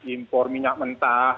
impor minyak mentah